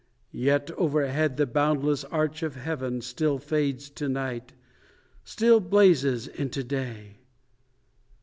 ...... Yet overhead the boundless arch of heaven Still fades to night, still blazes into day.